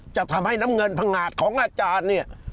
จะทำให้น้ำเงินพังงาดของอาจารย์เนี่ย